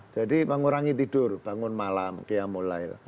jadi mengurangi tidur bangun malam kiamul lail